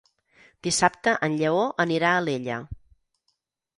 Dissabte en Lleó anirà a Alella.